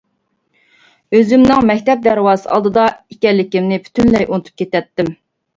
ئۆزۈمنىڭ مەكتەپ دەرۋازىسى ئالدىدا ئىكەنلىكىمنى پۈتۈنلەي ئۇنتۇپ كېتەتتىم.